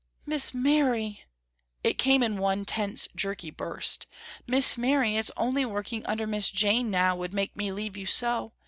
"Miss Mary!" it came in one tense jerky burst, "Miss Mary it's only working under Miss Jane now would make me leave you so.